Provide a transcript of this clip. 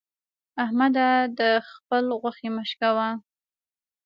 احمده! د خبل غوښې مه شکوه.